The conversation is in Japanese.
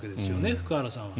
福原さんは。